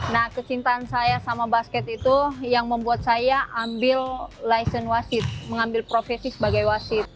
nah kecintaan saya sama basket itu yang membuat saya ambil licent wasit mengambil profesi sebagai wasit